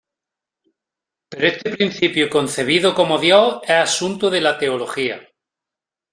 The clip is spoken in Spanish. Pero este principio, concebido como Dios, es asunto de la Teología.